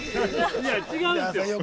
◆いや、違うんですよ。